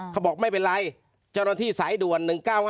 เขาบอกไม่เป็นไรเจ้าหน้าที่สายด่วน๑๙๕